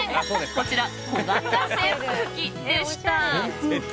こちら、小型扇風機でした。